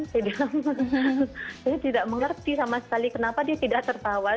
saya bilang dia tidak mengerti sama sekali kenapa dia tidak tertawa